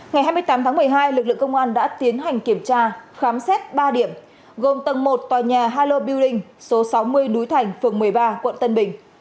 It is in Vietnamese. ngày hai mươi tám tháng một mươi hai lực lượng công an đã tiến hành kiểm tra khám xét ba điểm gồm tầng một tòa nhà hallobeing số sáu mươi núi thành phường một mươi ba quận tân bình